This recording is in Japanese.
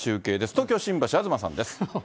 東京・新橋、東さんです。